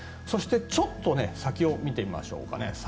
そして、ちょっと先を見てみましょうかね。